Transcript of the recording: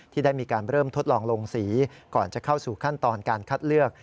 ที่ได้มีการเริ่มทดลองลงสีก่อนจะเข้าสู่ขั้นตอนการคัดเลือก